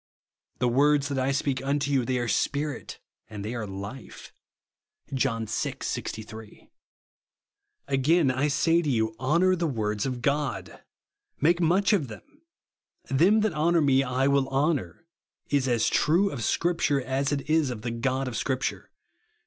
" The words that I speak unto you, they are Spirit, and they are life," (John vi. 6S), Again I say to you, honour the words of God. Make much of them. Them that honour me I will honour, is as true of Scripture as it is of the God of Scripture.